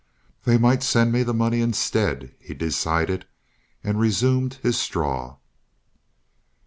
"They might send me the money instead," he decided, and resumed his straw.